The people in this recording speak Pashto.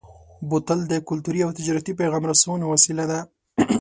بوتل د کلتوري او تجارتي پیغام رسونې وسیله ده.